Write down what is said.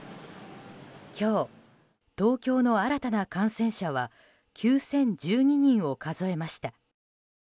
今日、東京の新たな感染者は９０１２人を数えました。